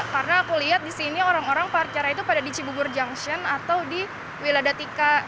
karena aku lihat di sini orang orang parkirnya itu pada di cibubur junction atau di wiladatika